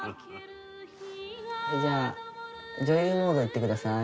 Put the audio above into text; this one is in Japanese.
じゃあ女優モードいってください。